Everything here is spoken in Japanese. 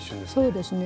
そうですね。